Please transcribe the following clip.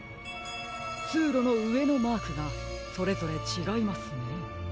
つうろのうえのマークがそれぞれちがいますね。